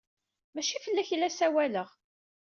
Maci fell-ak ay la ssawaleɣ.